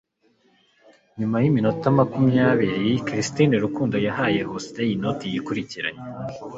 Nyuma yiminota makumyabiri Christine Rukundo yahaye Horsley inoti yikurikiranya,